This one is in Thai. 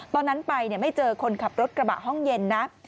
ตอนนั้นไปไม่เจอคนขับรถกระบะห้องเย็นนะ